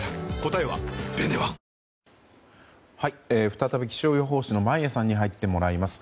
再び気象予報士の眞家さんに入ってもらいます。